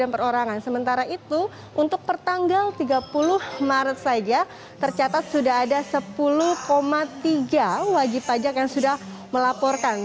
dan perorangan sementara itu untuk pertanggal tiga puluh maret saja tercatat sudah ada sepuluh tiga wajib pajak yang sudah melaporkan